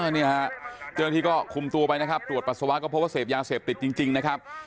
นี่ฮะเจ้าหน้าที่ก็คุมตัวไปนะครับตรวจปัสสาวะก็พบว่าเสพยาเสพติดจริงนะครับ